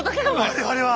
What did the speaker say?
我々は。